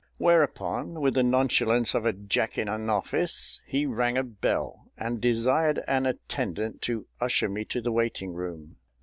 Whereupon, with the nonchalance of a Jack in an office, he rang a bell and desired an attendant to usher me to the waiting room.